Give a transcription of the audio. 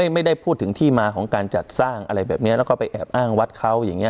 ไม่ได้พูดถึงที่มาของการจัดสร้างอะไรแบบนี้แล้วก็ไปแอบอ้างวัดเขาอย่างนี้